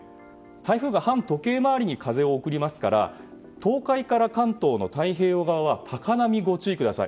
台風が反時計回りに風を送りますから東海から関東の太平洋側は高波にご注意ください。